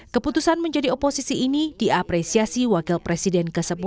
keputusan menjadi oposisi ini diapresiasi wakil presiden ke sepuluh